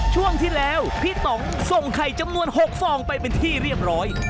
ช่วงที่แล้วพี่ต่องส่งไข่จำนวน๖ฟองไปเป็นที่เรียบร้อย